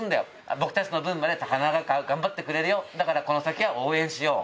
僕たちの分まで高輪が頑張ってくれるよ、だからこの先は応援しよう。